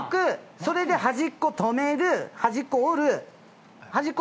それで端っことめる端っこ折る端っこ